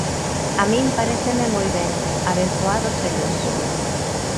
A min paréceme moi ben, ¡abenzoados eles!